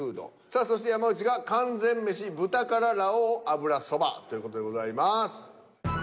さあそして山内が「完全メシ豚辛ラ王油そば」という事でございます。